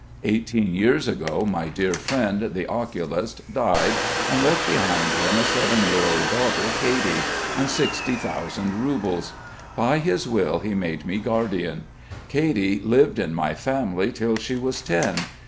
Eighteen years ago my dear friend, the oculist, died and left behind him a seven year old daughter, Katy, and sixty thousand roubles. By his will he made me guardian. Katy lived in my family till she was ten.